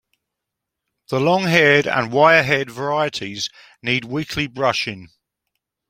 The longhaired and wirehaired varieties need weekly brushing.